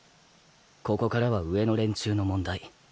ここからは上の連中の問題。